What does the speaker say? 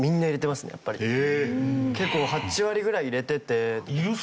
結構８割ぐらい入れてて。